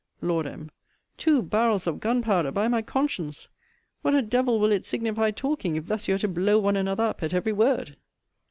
Lord M. Two barrels of gunpowder, by my conscience! What a devil will it signify talking, if thus you are to blow one another up at every word?